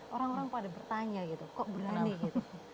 orang orang pada bertanya gitu kok berani gitu